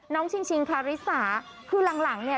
น้องชิงคาริสาคือหลังเนี่ย